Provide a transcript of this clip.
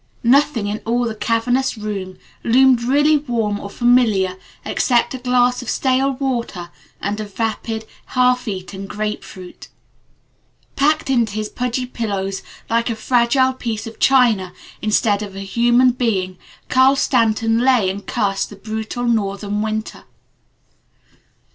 Nothing in all the cavernous room, loomed really warm or familiar except a glass of stale water, and a vapid, half eaten grape fruit. Packed into his pudgy pillows like a fragile piece of china instead of a human being Carl Stanton lay and cursed the brutal Northern winter.